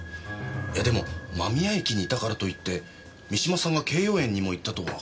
いやでも間宮駅にいたからといって三島さんが敬葉園にも行ったとは限らないんじゃ。